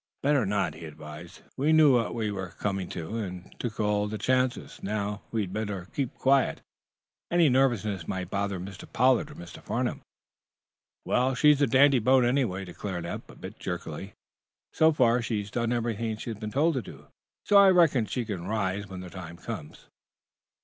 "Better not," he advised. "We knew what we were coming to, and took all the chances. Now, we'd better keep quiet. Any nervousness might bother Mr. Pollard or Mr. Farnum." "Well, she's a dandy boat, anyway," declared Eph, a bit jerkily. "So far, she's done everything she's been told to. So I reckon she can rise when the time comes."